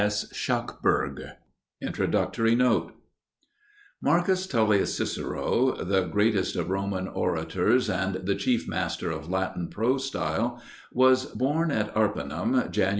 S. Shuckburgh INTRODUCTORY NOTE MARCUS TULLIUS CICERO, the greatest of Roman orators and the chief master of Latin prose style, was born at Arpinum, Jan.